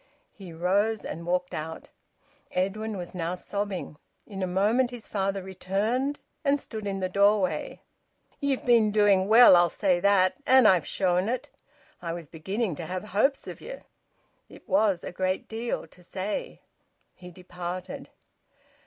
He rose and walked out. Edwin was now sobbing. In a moment his father returned, and stood in the doorway. "Ye've been doing well, I'll say that, and I've shown it! I was beginning to have hopes of ye!" It was a great deal to say. He departed.